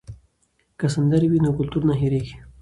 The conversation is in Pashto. که سندرې وي نو کلتور نه هېریږي.